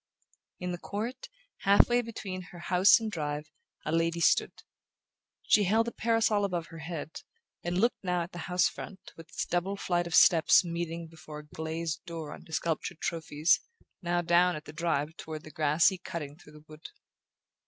In the court, half way between house and drive, a lady stood. She held a parasol above her head, and looked now at the house front, with its double flight of steps meeting before a glazed door under sculptured trophies, now down the drive toward the grassy cutting through the wood.